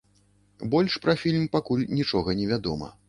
Больш пра фільм пакуль нічога не вядома.